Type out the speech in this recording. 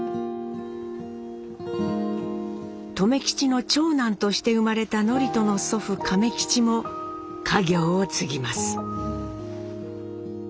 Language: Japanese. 留吉の長男として生まれた智人の祖父・亀吉も家業を継ぎます。